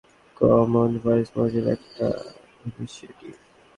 Common Voice মজিলার একটা initiative.